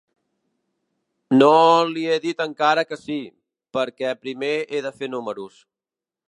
No l'hi he dit encara que sí, perquè primer he de fer números.